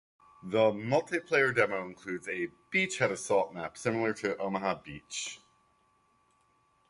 The multiplayer demo includes a beachhead assault map similar to Omaha Beach.